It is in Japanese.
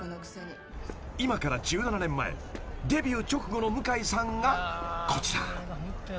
［今から１７年前デビュー直後の向井さんがこちら］